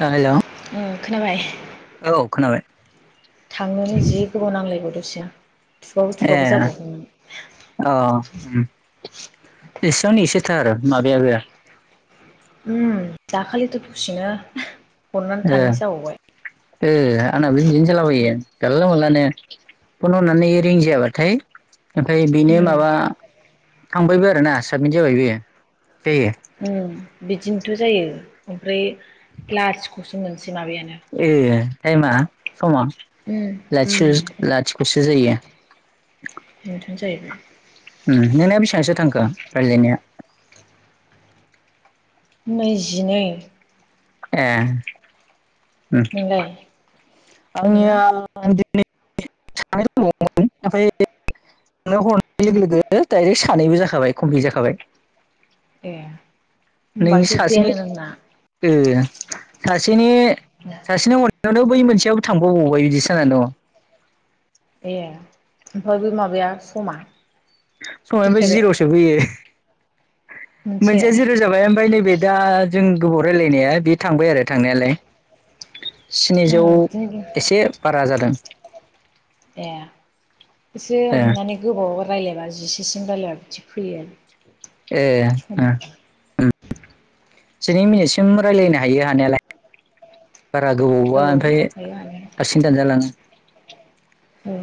हेल' ओ खोनाबाय औ खोनाबाय थांनोनो जि गोबाव नांलायबावदों सिगां ए औ एसेयावनो एसेथार आरो माबायाबो उम दाखालिथ' दसेनो हरनानै ओ थाङि जाबावबाय ओ आंना बो बिदिनो जालाबायो जानला मोनला माने फन हरनानै रिं जायाबाथाय ओमफ्राय बेनो उम माबा थांबायबो आरो ना साबमिट जाबाय बेयो जायो उम बिदिनो बेथ' जायो ओमफ्राय लाथिख'सो जोङो ए टाइमा समा उम उम लाथिख' लाथिख'सो जायो बेथनो जाहैबाय नोंना बेसेबांसो थांखो रायलायनाया नैजिनै ए उम नोंलाय नोंना आंनिया सानै दङमोन ओमफ्राय हरनाय लोगो दाइरेग सानैबो जाखाबाय कमप्लिट जाखाबाय ए होमबा नोंनि सासेनि जोब्बायानो नोंना सासेनि सासेनि जानो बै मोनसेयाव थांफाबावबाय बिदिसो जाना दं ए ओमफ्राय बे माबाया समा समानो बै देखायबाय जिर'सो बैयो मोनसे मोनसेया जिर' जाबाय ओमफ्राय नैबे दा जों गोबाव रायलायनाया बे थांबाय आरो थांनायालाय उम स्निजौ बिदिनो एसे बारा जादों ए एसे ए माने गोबावबा रायलायबा जिसेसिम रायलायबा बिदि फैयो आरो ए समा जिनै मिनिटसिम रायलायनो हायो हानायालाय बारा औ गोबावबा ओमफ्राय हायो हानाया हारसिं दानजालाङो औ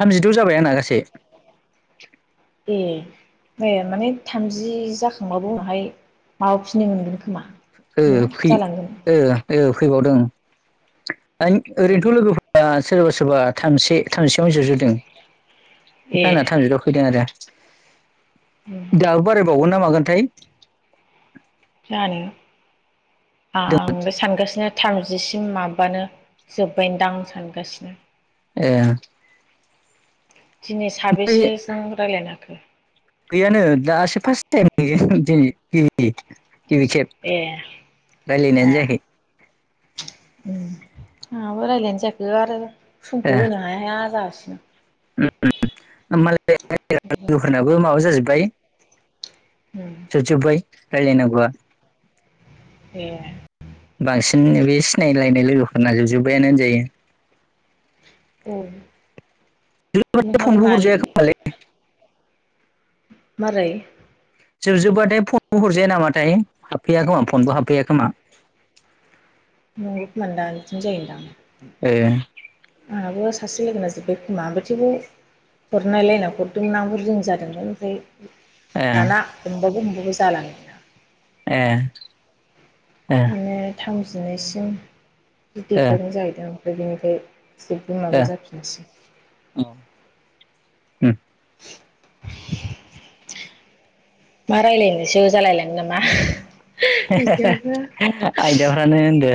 थामजिद' जाबाय आंना गासै ए ए माने थामजि जाखांबाबो उनावहाय माबाफिननो मोनगोन खोमा ओ ने फै जालांगोन ओ फैबावदों आ ए ओरैनोथ' लोगोफोरा सोरबा सोरबा थामजिसे थामजिसेयावनो जोबजोबदों ए आंना थामजिदआव फैदों आरो उम [inaudible] दाबो बारायबावगोन ना मागोनथाय माने आंबो सानगासिनो थाम जिसिम माबानो जोब्बाय दां सानगासिनो ए दिनै ओमफ्राय साबेसेजों रायज्लायखो [inaudible] गैयानो दासो फार्स्ट टाइम दिनै गिबि खेब ए ए रायलायनायानो जायाखै आंहाबो रायलायनायानो जायाखै समखौ होनो हाया हाया जागासिनो आसा मालाय लोगोफोरनाबो माबा जाजोबबाय दायो उम जुजुबाय रायलाय नांगौ आ ए बांसिन बे सिनायलायनाय लोगोफोरना जोब जोब बायानो होनजायो औ अरजाया नोंहाबो खमाया मा खोमालै मारै जोबजोबबाथाय फनबो हरजाया नामाथाय हाबफैया खोमा फनबो हाबफैया खोमा नंगौ खोमानदां इदिनो जायोदां ए आंहाबो सासे लोगोना जोब्बाय खोमा थेउबो हरनायलायना हरदोंमोन आं रिं जादोंमोन ओमफ्राय ए दाना‌ हमबाबो हमबाबो ओमफ्राय जालानो ए ए थांनाया थाव जिनैसिम देखायनाय ए जाहैदों आरो बिनिफ्राय जेबो ए माबा जाफिनसै हम मा रायलायनोसो जालायलाङो नामा? बिदियावबो [unintelligible] आयदाफ्रानो होनदो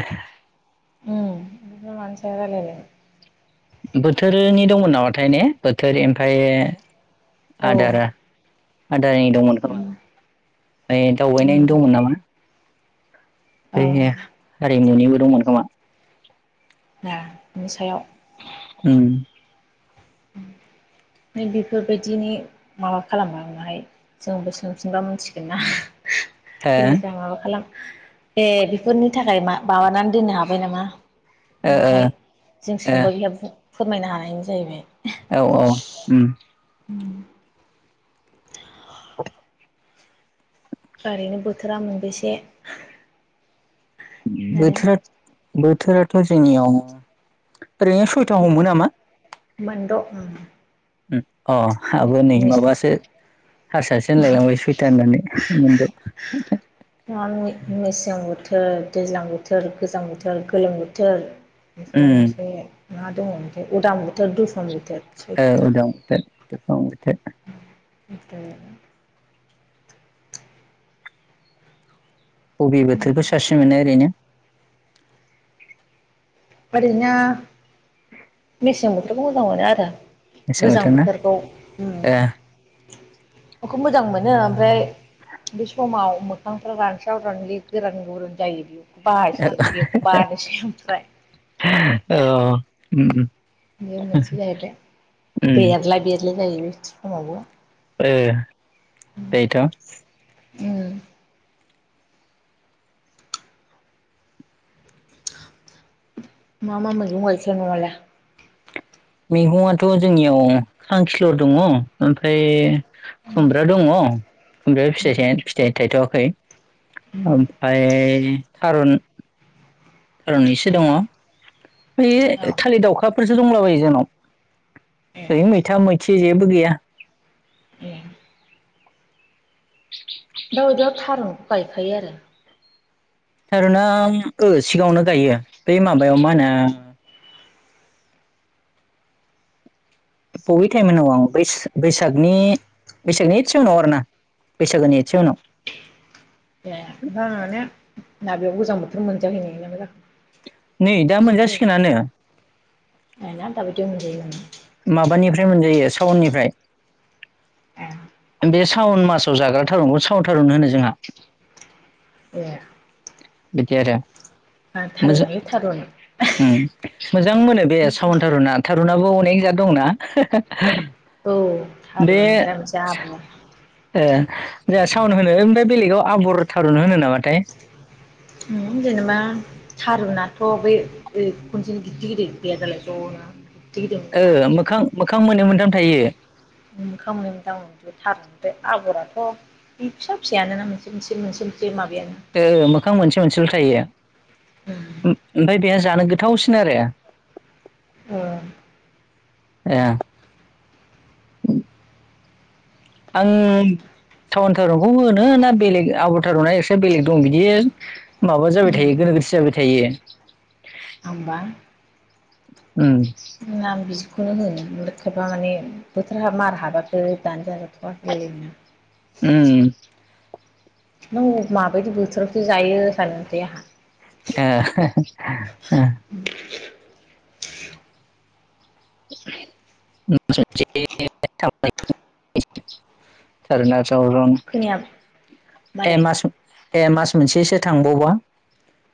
उम बिदिनो मानि सायाव रायलायनो? बोथोरनि दंमोन नामाथाय ने बोथोर ओमफ्रायो औ आदारा आदारानि दंमोन खोमा उम ओमफ्राय दावबाय उम दंमोन नामा? औ बैनिया हारि मुनिबो दंमोन खोमा? ना बिनि सायाव उम बेफोरबायदिनि माबा खालामाहाय जोंबो सोंफिनबा मोनथिगोन ना? हो बिलेखा माबा खालाम ए बेफोरनि थाखाय मा माबानानै दोननो हाबाय नामा? ओ ओ माहाय जों ओ सोंबा बेहा फोरमायनो हानायानो जाहैबाय। औ औ उम औ ओरैनो बोथोरा मोनबेसे आरो बोथोराथ' बोथोराथ' जोंनियाव ओरैनो सयथा हमो नामा? मोनद' उम अ आहाबो नै माबासो हारसासो होनलायलांबाय सयथा होननानै मोनद। मेसें बोथोर दैज्लां बोथोर गोजां बोथोर गोलोम बोथोर उम [unintelligible] मा दङ ओमफ्राय उदां बोथोर दुफां बोथोर औ सयथा उदां बोथोर दुफां बोथोर ओमफ्राय बबे बोथोरखौ साबसिन मोनो ओरैनो? ओरैनो मेसें बोथोरखौ मोजां मोनो आरो। मेसें गोजां बोथोर ना बोथोरखौ ए बेखौ मोजां मोनो ओमफ्राय बे समाव मोखांफ्रा रानस्राव रानलि गोरान गुरुन जायो बेयाव बाजि बेखौ बानोसै ओमफ्राय औ उम बेयो मोनसे जाहैबाय उम बेरला बेरलि जायो बे समावबो ए बेथ' उम मा मा मैगं गायखो नोंहालाय? मैगंआथ' जोंनियाव सांखिलर' दङ ओमफ्राय खुमब्रा दङ ओमफ्राय फिथाइ थायनाय फिथाइ थाइथ'आखै ओमफाय थारुन ओं इसे दङ ए ओइ औ थालिर दावउखाफोरसो दंलाबायो जोंनाव ए ओरैनो मैथा मैथि जेबो गैया। ए दा बादियाव थारुनखौ गायखायो आरो। थारुना ओस सिगाङावनो गायो बे माबायाव मा होनो? बबे टाइम उनाव आं बै बैसागनि बैसागनि एदसे उनाव आरोना बैसागोनि एदसे उनाव [unintelligible] ना बेयाव गोजां बोथोर मोनजाहैनाय नामा जाखो? नै दा बिदिखौ मोनजासिगोनानो। [unintelligible] माबानिफ्राय मोनजायो साउननिफ्राय ए बे सावन मासाव जाग्रा थारुनखौ साव थारुन होनो जोंहा। ए बिदि आरो मोजा थारुनालाय थारुन उम मोजां मोनो बे सावन थारुना थारुन [unintelligible] अनेक जा दंना [unintelligible] ए जोंहा साउन होनो ओमफ्राय बेलेगाव आबर थारुन होनो नामाथाय? जेनेबा थारुननाथ' बै बै खनसे गिदिर गिदिर गैया दालाय ज'नो। गिदिर मोनोना ओ मोखां मोखां मोननै मोनथाम थायो। [unintelligible] ओ मोखां मोनसे मोनसेल थायो। ओमफाय बेहा जानो गोथावसिन आरो ओ ए आं थाउन सहरखौ होनो ना बेलेग आबथारहाय इसे बेलेग दं बिदि माबा जाबाय थायो गोनोगोथो जाबाय थायो। आंबा उम बेखौनो होनो खायफा माने बोथोरा मार हाबबासो दानो जाग उम [unintelligible] नों माबायदि बोथोरावसो जायो सानसै आंहा। [unintelligible] [unintelligible] [unintelligible] खोनाया ए मारै मासं ए मा मास मोनसेसो थांबावबा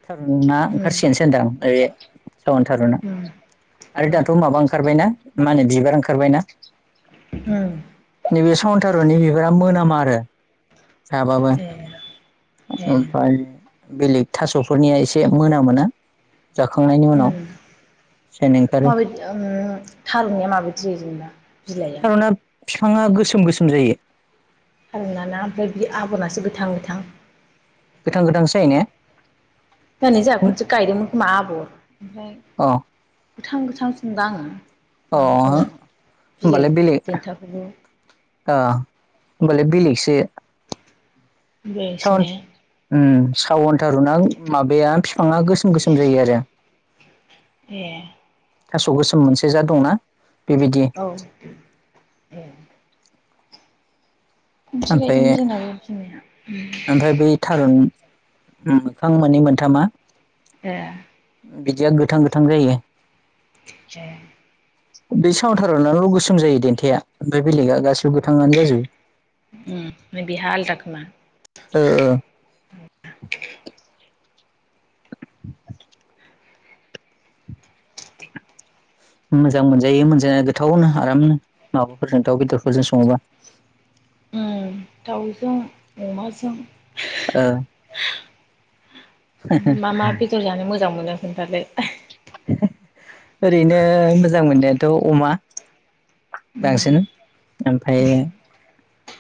थारुनना उम ओंखारसिगन सो होनदों। [inaudible] सन थारुना उम आरो दाथ माबा ओंखारबायना मा होनो बिबार ओंखारबायना उम नैबे सन्थारुननि बिबारा मोनामा आरो जाबाबो। ए ए ओमफ्राय बेलेग थास'फोरनिया एसे मोनामोना जाखांनायनि उनाव। उम सेन ओंखारो माबायदि ओ थारुननिया माबाय जायो जेनेबा? बिलाइया थारुना बिफाङा गोसोम गोसोम जायो। थारुना ना ओमफ्राय बि आगरासो एसे गोथां गोथां गोथां गोथांसो जायो ने? लानो जोंहा खनसे गायदोंमोन खोमा आबौआ ओमफ्राय अ गोथां गोथांसो नुदो आङो। अ माबाखौनो बिलाइ देन्थाखौबो। ओ होमबालाय बेलेगसो। बेलेगसो सावन ने? उम सावन थारुना माबाया बिफाङा गोसोम गोसोम जायो आरो। ए थास' गोसोम मोनसे जा दंना? बेबायदि औ ए खनसे ओमफ्राय गायदोंमोन जोंना बे बिमाया ओमफ्राय बै थारुन मोखां मोननै मोनथामा ए बिदिया गोथां गोथां जायो ए बे सावथारावनानैल' गोसोम जायो देन्था ओमफ्राय बेलेगा गासिबो गोथाङानो जाजोबो बिहा आलदा खोमा ओ ओ [inaudible] मोजां मोनजायो मोनजा गोथावनो आरामनो माबाफोरजों दाउ बेदरफोरजों सङोबा उम दाउजों अमाजों ओ ओमफ्राय मा मा बेदर जानो मोजां मोजां मोनो खोनथालाय [unintelligible] ओरैनो मोजां मोननायाथ' अमा उम बांसिन ओमफ्राय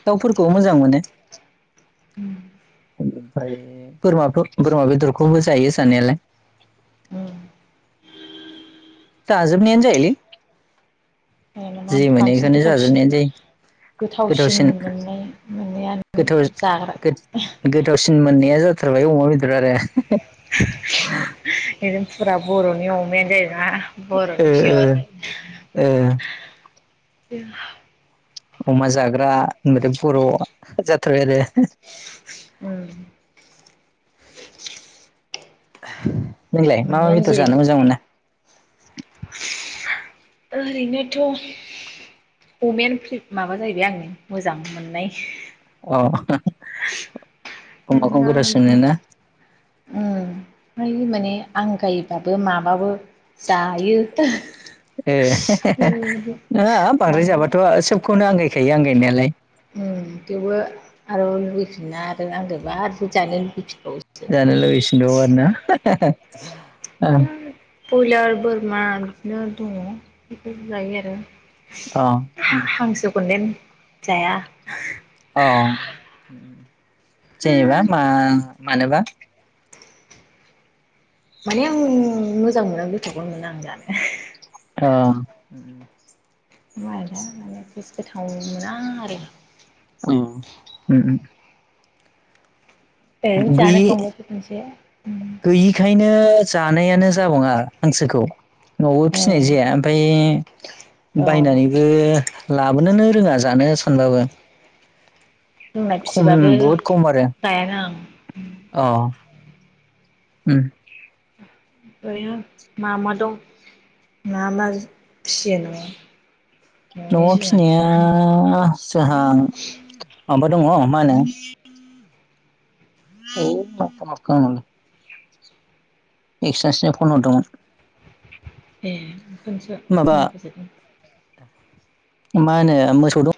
दाउफोरखौ मोजां मोनो ओमफ्राय बोरमा बोरमा बेदरखौबो जायो जानायालाय ओरैनो जाजोबनायानो जायोलै जि मोनो बांसिन बेखौनो गोथावसिन जाजोबनायानो जायो गोथावसिन मोननाया मोननायानो गोथाव जाग्रा गोथावसिन मोननाया जाथारबाय अमा बेदर आरो [inaudible] ओजों फुरा बर'नि अमायानो जाहैबाय ओ बर'नि ओ ओ [unintelligible] [inaudible] अमा जाग्रा होनबाथाय बर' जाथारबाय आरो उम [inaudible] नोंलाय मा मा अमायानो बेदर जेरै जानो मोजां मोनो ओरैनोथ' अमायानो माबा जाहैबाय आंनि मोजां मोननाय औ अमाखौ मोनना गोथावसिन मोनो बिदिनो ना उम फ्राय माने आंगायो दाबो माबाबो जायो ए बेबायदि नङा बांद्राय जाबाथ' सबखौनो आंगायखायो आंगायनायालाय थेवबो आरो लुबैफिनोना आरो आंजोंबो आरो जानो लुबैफिनो जानो लुबैफिनबावो आरोना [unintelligible] बयलारबो बिमा बिदिनो दङ बेफोरखौ जायो आरो अ हांसोखौदेन जाया औ जेनेबा मा मानोबा माने आं मोजां मोना आं गोथाव'खौनो मोना आं जानो अ माने टेस्ट गोथाव मोना आरो अ ओरैनो गैयि जानायखांबाय खनसे गैयिखायनो जानायानो जाबाङा हांसोखौ न'आवबो फिसिनाय उम जाया ओमफ्राय औ बायनानैबो लाबोनोनो रोङा जानो सानबाबो जोंना खम फिसिबाबो बहुद खम आरो जायानो आं हम ओम मा मा दं मा मा फिसियो नोङो? न'आव फिसिनाया जोहां माबा दङ मा होनो [unintelligible] एक्सासो फन हरदोंमोन ए खोनोसो माबा खोनाफोदों मा होनो मोसौ दङ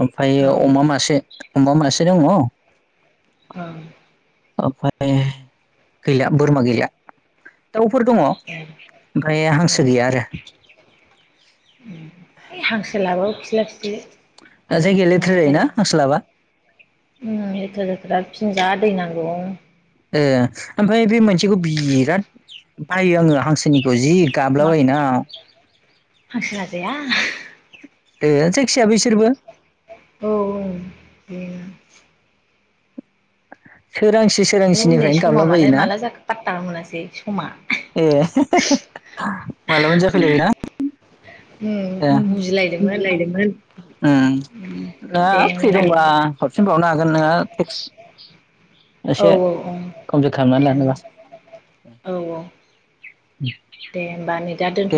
ओमफ्रायो औ अमा मासे अमा मासे दङ औ ओमफ्राय गैला बोरमा गैला दाउफोर दङ ए ओमफ्राय औ हांसो गैया आरो हैइ हांसो लाबाबो खिस्ला खिस्लि दा बिराद जायगाया लेथ्रा माबा जायो जायोना हांसो लाबा ओम लेथ्रा जाथारो फिसिनो जा दै नांगौ। ओ ओमफ्राय बे मोनसेखौ बिराद बायो आङो हांसोनिखौ जि गाबला मा बायोना हांसो लाजाया दे जायखिजाया बिसोरबो औ औ बे सोरांसि औ नै सोरांसिनिफ्रायनो गाबला समा मालाय बायोना ना माला जाखो पात्ताखौनो मोनासै समा ए मालाबानो जाफैलायो ना [inaudible] उम बुजिलायदोंमोन मुजिलायदोंमोन ओं न दे फ्रि होमबालाय दंब्ला फिनबावनो हागोन नोङो टेक औ औ औ औ लानोबा औ औ दे होमबा ने दा दोनथ'